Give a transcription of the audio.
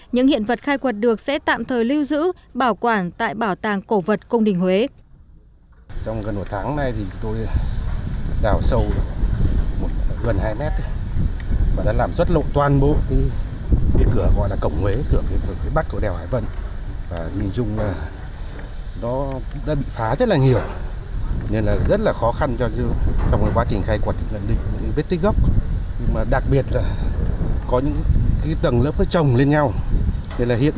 những hiện vật khai quật được sẽ tạm thời lưu giữ bảo quản tại bảo tàng cổ vật công đình huế